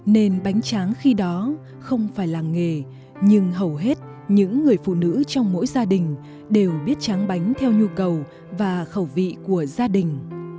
nên bánh tráng khi đó không phải làng nghề nhưng hầu hết những người phụ nữ trong mỗi gia đình đều biết tráng bánh theo nhu cầu và khẩu vị của gia đình